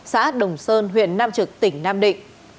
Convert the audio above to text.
xã đồng sơn huyện nam trực tỉnh nam định